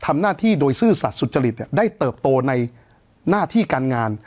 ทำหน้าที่โดยซื่อสัตว์สุจริตได้เติบโตในหน้าที่การงาน